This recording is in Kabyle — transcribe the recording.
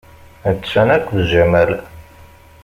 Attan akked Jamal.